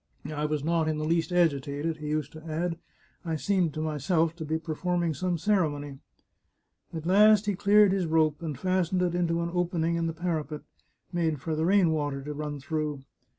" I was not in the least agi tated," he used to add ;" I seemed to myself to be perform ing some ceremony." At last he cleared his rope, and fastened it into an open ing in the parapet, made for the rain water to run through.